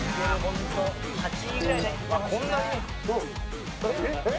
８位ぐらいで。